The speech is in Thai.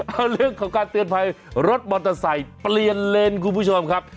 เอาเรื่องของการเตือนภัยรถมอเตอร์ไซค์เปลี่ยนเลนคุณผู้ชมครับ